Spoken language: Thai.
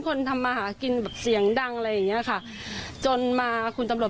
ทำมาหากินแบบเสียงดังอะไรอย่างเงี้ยค่ะจนมาคุณตำรวจ